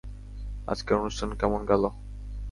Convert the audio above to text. আজকের অনুষ্ঠান কেমন গেল?